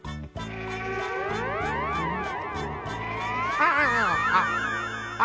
あああ